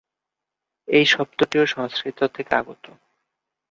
এই শব্দটিও সংস্কৃত থেকে আগত।